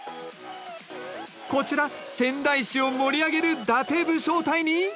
こちら仙台市を盛り上げる伊達武将隊に。